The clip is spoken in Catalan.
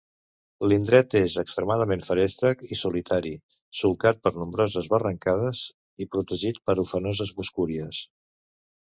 L'indret és extremadament feréstec i solitari, solcat per nombroses barrancades i protegit per ufanoses boscúries.